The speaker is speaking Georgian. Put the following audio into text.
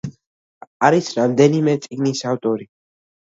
არის რამდენიმე წიგნის ავტორი.